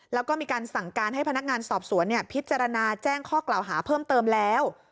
แล้วก็มีการสั่งการให้พนักงานสอบสวนพิจารณาแจ้งข้อกล่าวหาเพิ่มเติมแล้ว